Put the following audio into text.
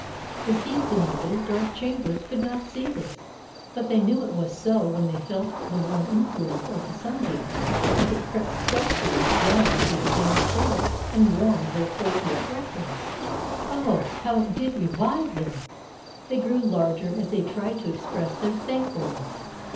The seeds in their little dark chambers could not see this, but they knew it was so when they felt the warm influence of the sunbeams as it crept stealthily down through the damp soil and warmed their cold, wet wrappings. Oh, how it did revive them! They grew larger as they tried to express their thankfulness.